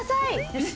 よし。